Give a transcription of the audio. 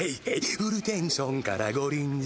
「フルテンションからご臨終」